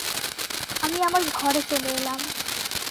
আমি আমার ঘরে চলে এলাম।